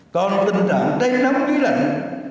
còn tình trạng đáy nắng dưới lạnh